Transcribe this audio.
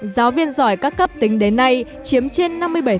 giáo viên giỏi các cấp tính đến nay chiếm trên năm mươi bảy